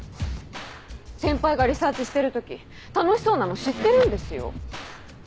先輩がリサーチしてる時楽しそうなの知ってるんですよ。